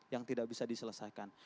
yang tidak bisa diselesaikan